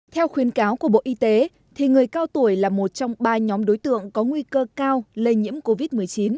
theo khuyến cáo của bộ y tế người cao tuổi là một trong ba nhóm đối tượng có nguy cơ cao lây nhiễm covid một mươi chín